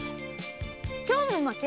今日も負け？